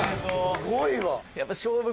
「すごいわ！」